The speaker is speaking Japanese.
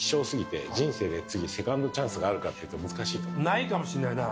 ないかもしれない。